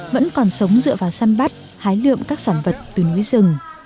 vẫn còn sống dựa vào săn bắt hái lượm các sản vật từ núi rừng